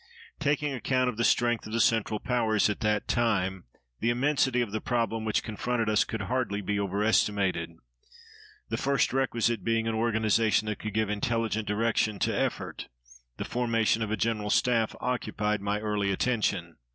Taking account of the strength of the Central Powers at that time, the immensity of the problem which confronted us could hardly be overestimated. The first requisite being an organization that could give intelligent direction to effort, the formation of a General Staff occupied my early attention.